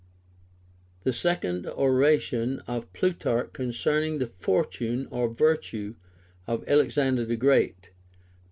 87. THE SECOND ORATION OP PLUTARCH CONCERNING THE FORTUNE OR VIRTUE OF ALEXANDER THE GREAT.